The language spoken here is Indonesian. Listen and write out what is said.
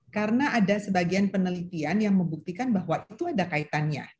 karena ada sebagian penelitian yang membuktikan bahwa itu ada kaitannya